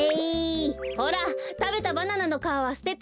ほらたべたバナナのかわはすてて！